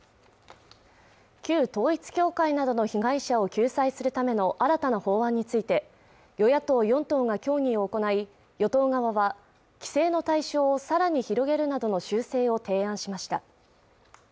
旧統一教会などの被害者を救済するための新たな法案について与野党４党が協議を行い与党側は規制の対象をさらに広げるなどの修正を提案しました